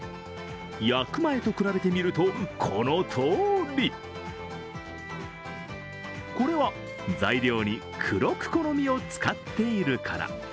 焼く前と比べてみると、このとおり！これは材料に黒クコの実を使っているから。